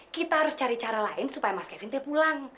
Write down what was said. kita harus cari cara lain supaya mas kevin dia pulang